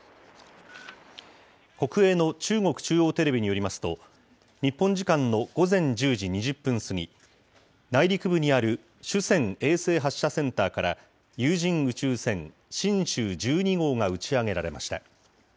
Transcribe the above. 国営の中国中央テレビによりますと、日本時間の午前１０時２０分過ぎ、内陸部にある酒泉衛星発射センターから、有人宇宙船神舟１２号が打ち上げられました。